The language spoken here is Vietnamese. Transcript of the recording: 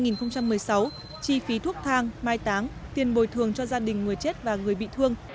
năm hai nghìn một mươi sáu chi phí thuốc thang mai táng tiền bồi thường cho gia đình người chết và người bị thương